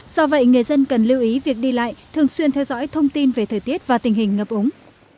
do vậy người dân cần lưu ý việc đi lại thường xuyên theo dõi thông tin về thời tiết và tình hình ngập ống